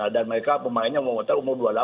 dan mereka pemainnya umur dua puluh delapan